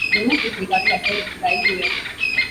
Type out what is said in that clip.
The root is regarded as a diuretic.